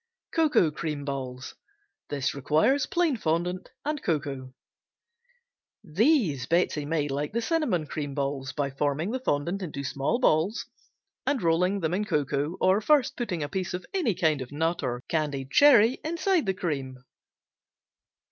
Cocoa Cream Balls Plain fondant. Cocoa. These Betsey made like the Cinnamon Cream Balls by forming the fondant into small balls and rolling in cocoa or first putting a piece of any kind of nut or candied cherry inside the cream.